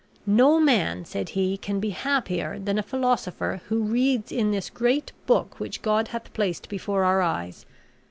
"No man," said he, "can be happier than a philosopher who reads in this great book which God hath placed before our eyes.